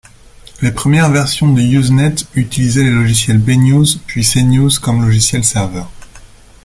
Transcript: Les premières versions de Usenet utilisaient les logiciels B-News, puis C-News comme logiciels serveurs.